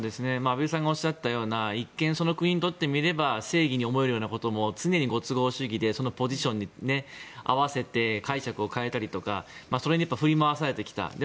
畔蒜さんがおっしゃったような一見、その国にとってみれば正義に思えるようなことも常にご都合主義でそのポジションに合わせて解釈を変えたりとかそれに振り回されてきた。